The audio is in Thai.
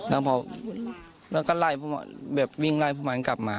แล้วพอแล้วก็ไล่พวกแบบวิ่งไล่พวกมันกลับมา